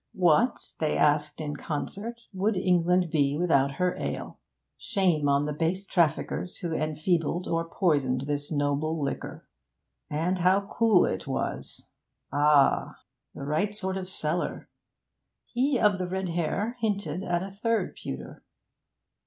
What, they asked in concert, would England be without her ale? Shame on the base traffickers who enfeebled or poisoned this noble liquor! And how cool it was ah! The right sort of cellar! He of the red hair hinted at a third pewter.